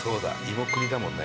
芋栗だもんね